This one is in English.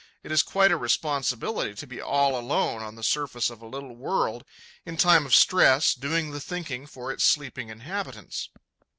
It is quite a responsibility to be all alone on the surface of a little world in time of stress, doing the thinking for its sleeping inhabitants.